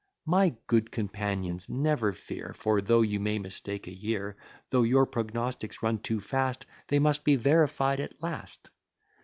My good companions, never fear; For though you may mistake a year, Though your prognostics run too fast, They must be verify'd at last.